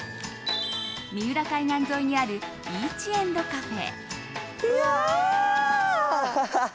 三浦海岸沿いにあるビーチエンドカフェ。